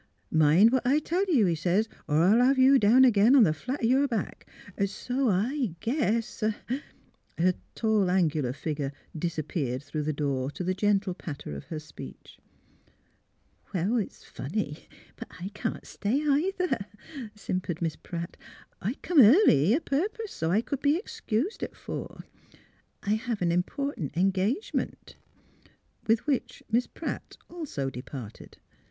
' Mind what I tell you,' he sez, ' or I'll have you down again on the flat o' your back.' So I guess " Her tall, angular figure disappeared through the door to the gentle patter of her speech. '' Well, it's funny, but I can't stay, either," simpered Miss Pratt. '^ I come early a purpose so I c'd be excused at four. I have an important engagement. '' With which Miss Pratt also departed.